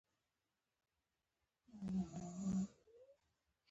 ژوندي د ژوند حقیقتونه درک کوي